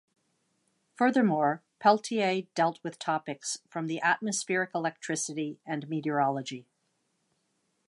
Furthermore, Peltier dealt with topics from the atmospheric electricity and meteorology.